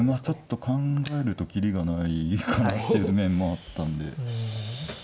ちょっと考えると切りがないかなっていう面もあったんで。